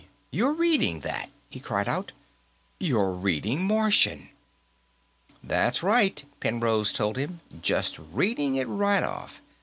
You're reading that!" he cried. "You're reading Martian!" "That's right," Penrose told him. "Just reading it right off.